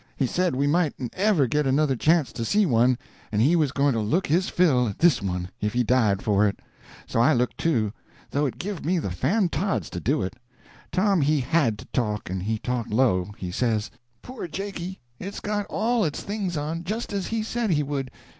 He said we mightn't ever get another chance to see one, and he was going to look his fill at this one if he died for it. So I looked too, though it give me the fan tods to do it. Tom he had to talk, but he talked low. He says: "Poor Jakey, it's got all its things on, just as he said he would.